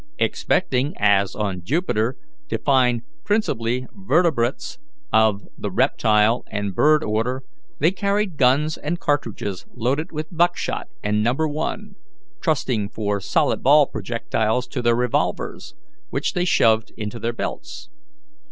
Expecting, as on Jupiter, to find principally vertebrates of the reptile and bird order, they carried guns and cartridges loaded with buckshot and No. 1, trusting for solid ball projectiles to their revolvers, which they shoved into their belts.